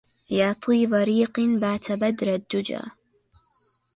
يا طيب ريق بات بدر الدجى